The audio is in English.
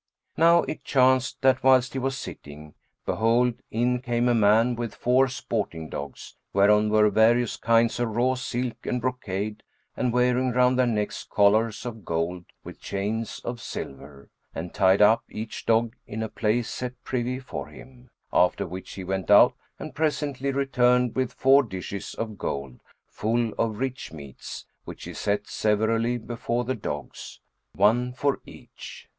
Now it chanced that whilst he was sitting, behold, in came a man with four sporting dogs, whereon were various kinds of raw silk and brocade[FN#392] and wearing round their necks collars of gold with chains of silver, and tied up each dog in a place set privy for him; after which he went out and presently returned with four dishes of gold, full of rich meats, which he set severally before the dogs, one for each.